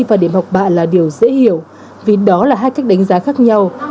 và điểm học bạ là điều dễ hiểu vì đó là hai cách đánh giá khác nhau